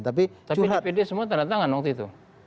tapi dpd semua tanda tangan waktu itu